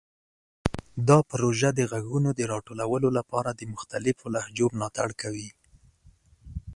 دا پروژه د غږونو د راټولولو لپاره د مختلفو لهجو ملاتړ کوي.